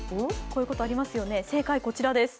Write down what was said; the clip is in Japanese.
こういうことありますよね、正解こちらです。